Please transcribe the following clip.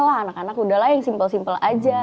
lah anak anak udahlah yang simple simple aja